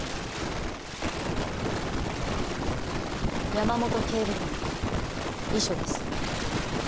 山本警部補の遺書です。